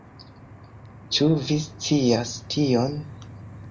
Ĉu vi scias tion?